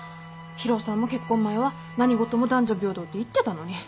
博夫さんも結婚前は「何事も男女平等」って言ってたのに。